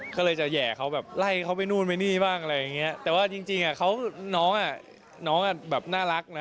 ก็เลยจะแห่เขาแบบไล่เขาไปนู่นไปนี่บ้างอะไรอย่างเงี้ยแต่ว่าจริงจริงอ่ะเขาน้องอ่ะน้องอ่ะแบบน่ารักนะ